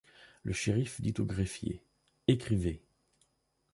Le shériff dit au greffier: — Ecrivez.